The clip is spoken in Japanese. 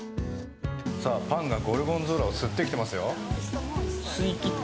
さあ、パンがゴルゴンゾーラを吸ってきてますよ。